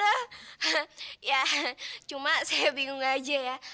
hahaha ya cuma saya bingung aja ya